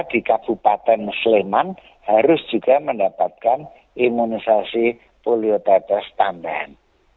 di kabupaten sleman harus juga mendapatkan imunisasi poliotetes tambahan